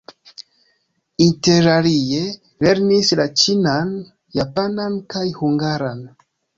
Interalie lernis la ĉinan, japanan kaj hungaran.